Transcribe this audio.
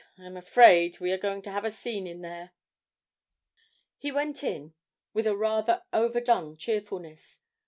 I'm afraid we are going to have a scene in there.' He went in with a rather overdone cheerfulness.